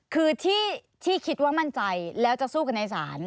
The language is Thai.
คือที่คิดว่ามั่นใจแล้วจะสู้กันในศาล